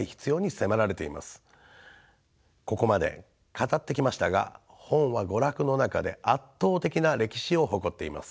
ここまで語ってきましたが本は娯楽の中で圧倒的な歴史を誇っています。